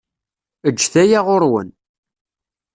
Eǧǧet aya ɣur-wen.